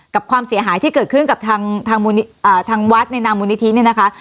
กับความเสียหายที่เกิดขึ้นกับทางทางอ่าทางวัดในนามมูลนิธินี่นะคะ